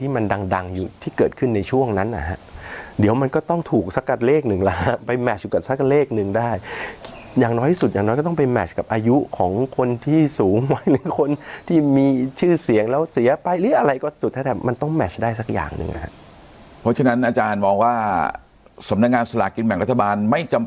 มันดังดังที่เกิดขึ้นในช่วงนั้นนะฮะเดี๋ยวมันก็ต้องถูกสักกับเลขหนึ่งแล้วฮะไปแมทอยู่กับสักเลขหนึ่งได้อย่างน้อยที่สุดอย่างน้อยก็ต้องไปแมชกับอายุของคนที่สูงหรือคนที่มีชื่อเสียงแล้วเสียไปหรืออะไรก็จุดถ้ามันต้องแมชได้สักอย่างหนึ่งนะฮะเพราะฉะนั้นอาจารย์มองว่าสำนักงานสลากกินแบ่งรัฐบาลไม่จำ